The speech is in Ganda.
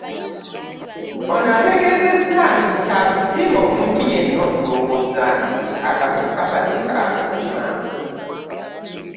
Ono ategeezezza nti kyanbussiru omuntu yenna okulowooza nti akalulu kaabadde ka mazima.